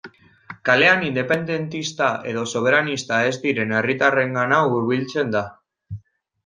Kalean independentista edo soberanista ez diren herritarrengana hurbiltzen da.